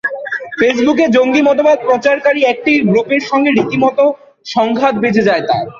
ফেসবুকে জঙ্গি মতবাদ প্রচারকারী একটি গ্রুপের সঙ্গে রীতিমতো সংঘাত বেঁধে যায় তাঁর।